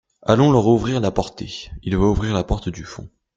Allons leur ouvrir la porté. il va ouvrir la porte du fond.